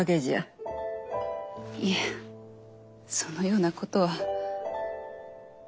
いえそのようなことは。